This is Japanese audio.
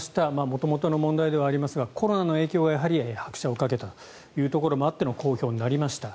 元々の問題ではありますがコロナの影響がやはり拍車をかけたというところもあっての公表となりました。